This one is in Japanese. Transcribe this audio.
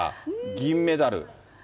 銀メダル。